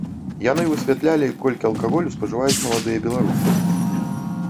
Яны высвятлялі, колькі алкаголю спажываюць маладыя беларусы.